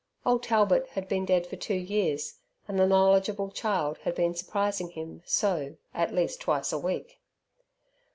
"Ole Talbert" had been dead for two years, and the knowledgeable child had been surprising him so, at least twice a week.